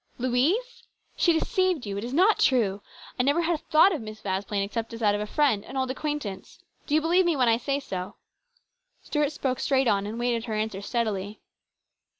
" Louise ? She deceived you. It is not true. I never had a thought of Miss Vasplaine except that of 228 HIS BROTHER'S KEEPER. a friend, an old acquaintance. Do you believe me when I say so ?" Stuart spoke straight on, and waited her answer steadily.